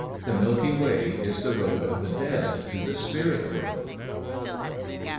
The Milky Way is the road of the dead to the spirit world."